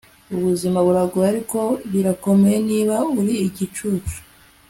ubuzima buragoye, ariko birakomeye niba uri igicucu